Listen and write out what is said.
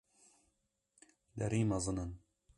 Derî mezin in